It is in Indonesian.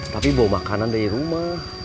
tapi bawa makanan dari rumah